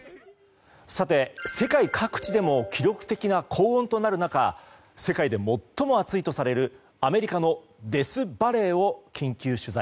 世界各地でも記録的な高温となる中世界で最も暑いとされるアメリカのデスバレーを緊急取材。